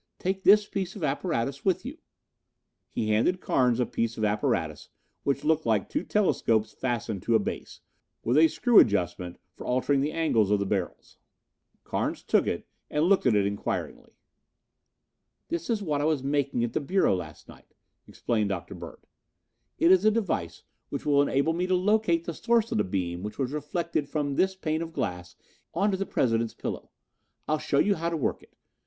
Take this piece of apparatus with you." He handed Carnes a piece of apparatus which looked like two telescopes fastened to a base, with a screw adjustment for altering the angles of the barrels. Carnes took it and looked at it inquiringly. "That is what I was making at the Bureau last night," explained Dr. Bird. "It is a device which will enable me to locate the source of the beam which was reflected from this pane of glass onto the President's pillow. I'll show you how to work it.